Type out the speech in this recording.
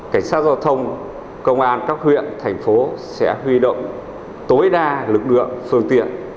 cảnh sát giao thông công an các huyện thành phố sẽ huy động tối đa lực lượng phương tiện